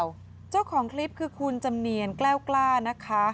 วิวของคลิปคือคุณจำเนียนแกล้วนะคะ